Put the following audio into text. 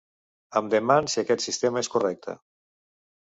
Em deman si aquest sistema és correcte.